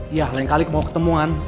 ya lain kali mau ketemuan